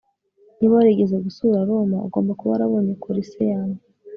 niba warigeze gusura roma, ugomba kuba warabonye coliseum